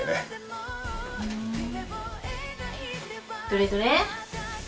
どれどれ？